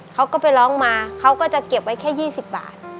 เขาก็ไปร้องมาเขาก็จะเก็บไว้แค่๒๐บาท